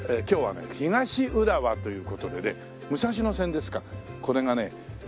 今日はね東浦和という事でね武蔵野線ですかこれがね